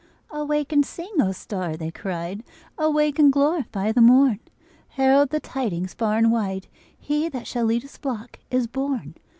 "Awake and sing, O star!" they cried. "Awake and glorify the morn! Herald the tidings far and wide He that shall lead His flock is born!"